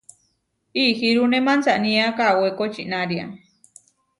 Ihirúne mansanía kawé kočinária.